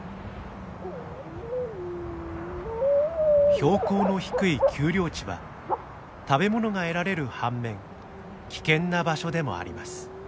標高の低い丘陵地は食べ物が得られる反面危険な場所でもあります。